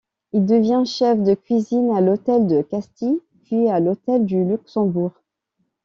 Il devient chef de cuisine à l'Hôtel de Castille puis à l'Hôtel du Luxembourg.